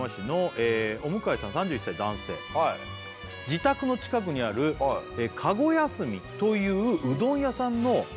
「自宅の近くにある駕籠休みといううどん屋さんの」